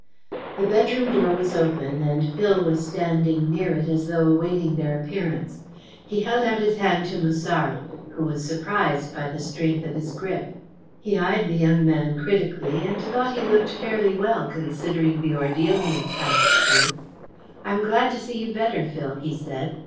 The bedroom door was open and Phil was standing near it as though awaiting their appearance. He held out his hand to Musard, who was surprised by the strength of his grip. He eyed the young man critically, and thought he looked fairly well considering the ordeal he had passed through. "I am glad to see you better, Phil," he said.